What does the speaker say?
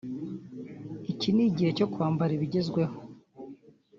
“Iki ni igihe cyo kwambara ibigezweho